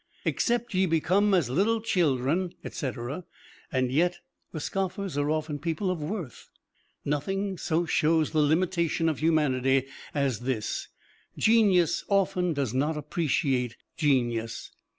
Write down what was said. "Except ye become as little children," etc. and yet the scoffers are often people of worth. Nothing so shows the limitation of humanity as this: genius often does not appreciate genius.